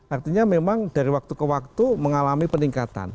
artinya memang dari waktu ke waktu mengalami peningkatan